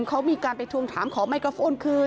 เขามีการไปทวงถามขอไมโครโฟนคืน